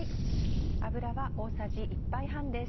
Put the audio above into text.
油は大さじ１杯半です。